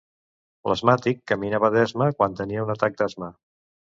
L'asmàtic caminava d'esma quan tenia un atac d'asma